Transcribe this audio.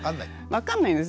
分かんないんです。